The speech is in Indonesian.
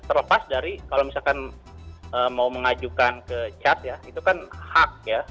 terlepas dari kalau misalkan mau mengajukan ke cat ya itu kan hak ya